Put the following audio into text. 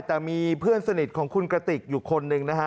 แต่มีเพื่อนสนิทของคุณกระติกอยู่คนหนึ่งนะฮะ